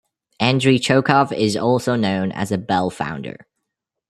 Andrey Chokhov is also known as a bell founder.